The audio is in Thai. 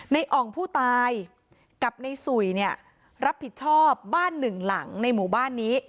อ่องผู้ตายกับในสุยเนี่ยรับผิดชอบบ้านหนึ่งหลังในหมู่บ้านนี้